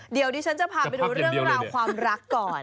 เดี๋ยวดิฉันจะพาไปดูเรื่องราวความรักก่อน